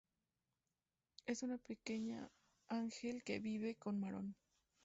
Es una pequeña ángel que vive con Maron.